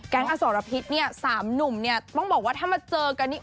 อสรพิษเนี่ย๓หนุ่มเนี่ยต้องบอกว่าถ้ามาเจอกันนี่